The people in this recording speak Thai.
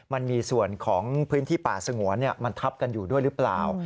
มันมีส่วนของพื้นที่ป่าสงวนมันทับกันอยู่ด้วยหรือเปล่า